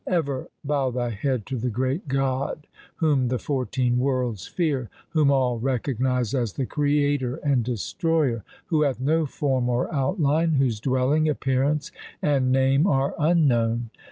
Ever bow thy head to the great God whom the fourteen worlds fear, whom all recognize as the Creator and Destroyer, who hath no form or outline, whose dwelling, appearance, and name are unknown.